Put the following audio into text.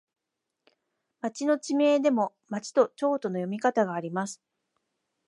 町の地名でも、まちとちょうの読み方があります。